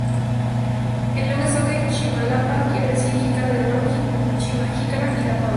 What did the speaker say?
En lengua zoque, Chimalapa quiere decir jícara de oro: Chima jícara y lapa oro.